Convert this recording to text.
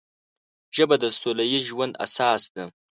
ژبه د سوله ییز ژوند اساس ده